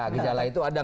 gejala itu ada